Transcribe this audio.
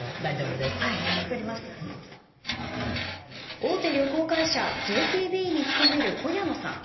大手旅行会社ＪＴＢに勤める小谷野さん。